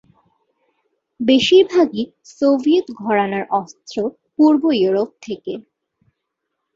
বেশিরভাগই সোভিয়েত ঘরানার অস্ত্র পূর্ব ইউরোপ থেকে।